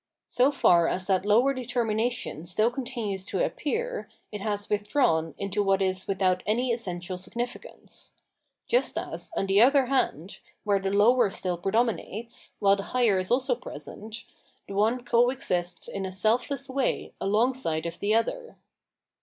So far as that lower determination 700 Phenomenology of Mind still continues to appear, it has withdrawn into what is without any essential significance : just as, on the other hand, where the lower still predominates, while the higher is also present, the one co exists in a self less way alongside of the other.